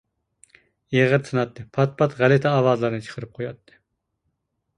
ئېغىر تىناتتى، پات-پات غەلىتە ئاۋازلارنى چىقىرىپ قوياتتى.